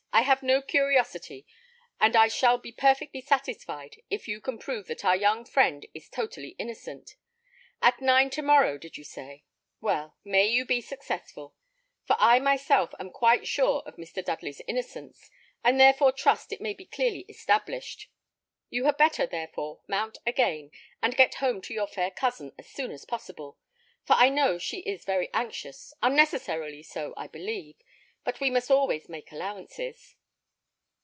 "I have no curiosity; and I shall be perfectly satisfied if you can prove that our young friend is totally innocent. At nine tomorrow, did you say? Well, may you be successful; for I myself am quite sure of Mr. Dudley's innocence, and therefore trust it may be clearly established. You had better, therefore, mount again, and get home to your fair cousin as soon as possible, for I know she is very anxious, unnecessarily so, I believe; but we must always make allowances."